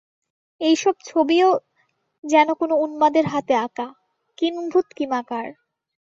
এইসব ছবিও যেন কোনো উন্মাদের হাতে আঁকা, কিম্ভূতকিমাকার।